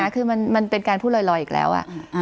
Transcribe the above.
คือมันเป็นการพูดลอยอีกแล้ว